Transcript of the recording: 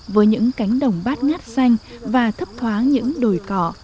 với những cánh đồng bát ngát xanh và thấp thoáng những đồi cọ